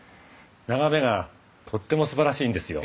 眺めがとってもすばらしいんですよ。